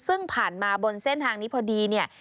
ซึ่งผ่านมาบนเส้นทางนี้พอดีเนี่ย